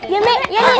nenek main lagi ya